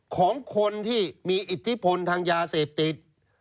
ของคนที่มีอิทธิพลทางยาเสพติด